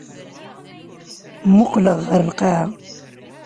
Mmuqqleɣ ɣer lqaɛa.